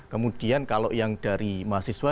kemudian kalau yang dari mahasiswa